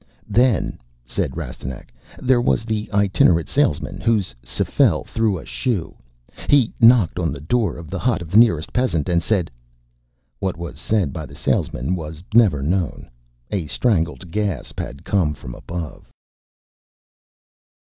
"Then," said Rastignac, "there was the itinerant salesman whose s'fel threw a shoe. He knocked on the door of the hut of the nearest peasant and said...." What was said by the salesman was never known. A strangled gasp had come from above.